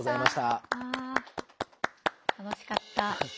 楽しかった。